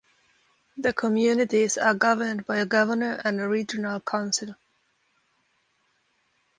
The communities are governed by a Governor and a Regional Council.